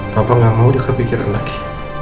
bapak gak mau juga kepikiran lagi